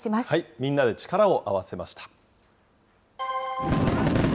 みんなで力を合わせました。